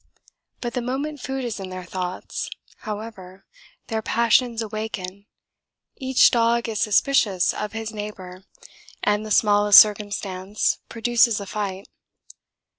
But the moment food is in their thoughts, however, their passions awaken; each dog is suspicious of his neighbour, and the smallest circumstance produces a fight.